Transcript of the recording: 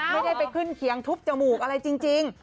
ไม่ได้ไปขึ้นเคียงทุบจมูกอะไรจริง